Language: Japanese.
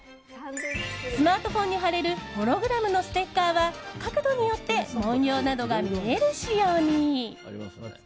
スマートフォンに貼れるホログラムのステッカーは角度によって紋様などが見える仕様に。